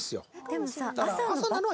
でもさ朝の。